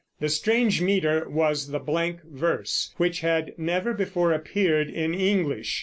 The strange meter was the blank verse, which had never before appeared in English.